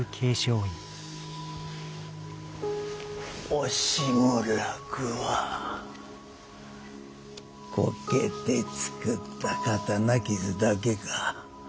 惜しむらくはこけて作った刀傷だけか。